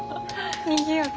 にぎやか。